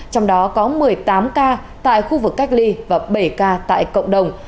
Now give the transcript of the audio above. trong đó có một mươi tám ca tại khu vực cách ly và bảy ca tại cộng đồng